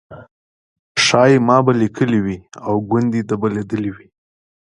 شایي ما به لیکلي وي او ګوندې ده به لیدلي وي.